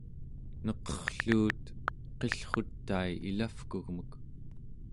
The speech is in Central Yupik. neqerrluut qillrutai ilavkugmek